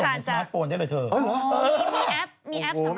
มีแอปสำหรับแบบเพลิง